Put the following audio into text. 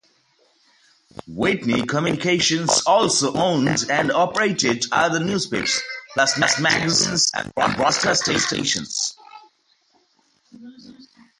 Whitney Communications also owned and operated other newspapers, plus magazines and broadcasting stations.